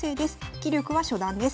棋力は初段です。